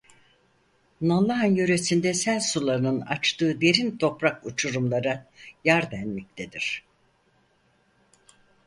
Nallıhan yöresinde sel sularının açtığı derin toprak uçurumlara yar denmektedir.